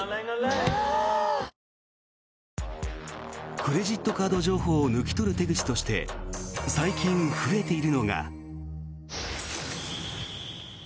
ぷはーっクレジットカード情報を抜き取る手口として最近、増えているのが。